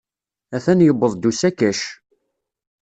Atan yuweḍ-d usakac.